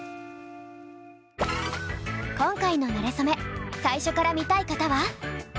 今回のなれそめ最初から見たい方は。